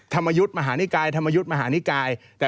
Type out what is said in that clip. ธรรมยุทธ์มหานิกายธรรมยุทธ์มหานิกาย